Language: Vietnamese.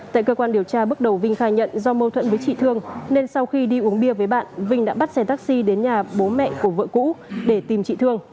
tại cơ quan điều tra bước đầu vinh khai nhận do mâu thuẫn với chị thương nên sau khi đi uống bia với bạn vinh đã bắt xe taxi đến nhà bố mẹ của vợ cũ để tìm trị thương